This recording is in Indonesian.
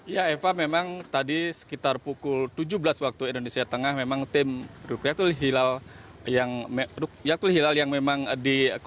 ya eva memang tadi sekitar pukul tujuh belas waktu indonesia tengah memang tim rukyatul hilal hilal yang memang dikelola